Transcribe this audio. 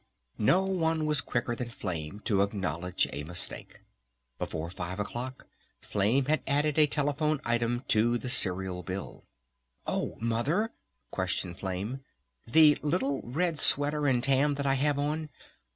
No one was quicker than Flame to acknowledge a mistake. Before five o'clock Flame had added a telephone item to the cereal bill. "Oh Mother," questioned Flame. "The little red sweater and Tam that I have on?